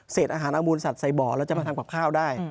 เศษอาหารอัมูลสัตว์ใส่บ่อก็ทำกับข้าวได้